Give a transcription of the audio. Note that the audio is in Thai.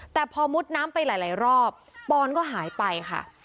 แต่พอมุดน้ำไปหลายรอบปอนก็หายไปค่ะ